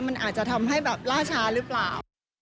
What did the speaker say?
มันอาจจะทำให้แบบล่าช้าหรือเปล่า